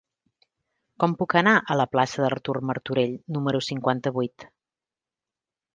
Com puc anar a la plaça d'Artur Martorell número cinquanta-vuit?